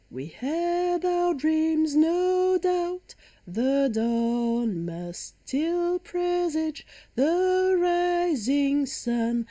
We had our dreams, no doubt. The dawn Must still presage the rising sun.